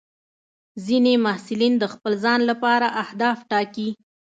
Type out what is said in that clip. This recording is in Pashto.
ځینې محصلین د خپل ځان لپاره اهداف ټاکي.